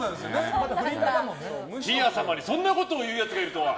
ティア様にそんなことを言うやつがいるとは。